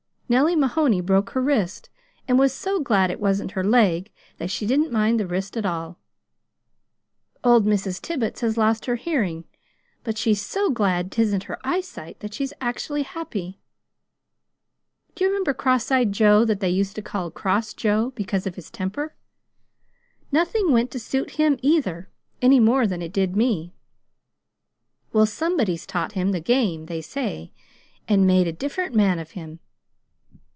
Nellie Mahoney broke her wrist and was so glad it wasn't her leg that she didn't mind the wrist at all. Old Mrs. Tibbits has lost her hearing, but she's so glad 'tisn't her eyesight that she's actually happy. Do you remember cross eyed Joe that they used to call Cross Joe, be cause of his temper? Nothing went to suit him either, any more than it did me. Well, somebody's taught him the game, they say, and made a different man of him.